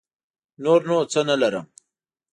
نور نو څه نه لرم.